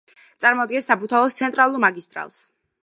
წარმოადგენს საბურთალოს ცენტრალურ მაგისტრალს.